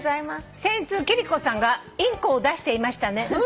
「先日貴理子さんがインコを出していましたね」